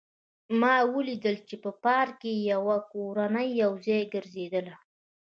ما ولیدل چې په پارک کې یوه کورنۍ یو ځای ګرځېدله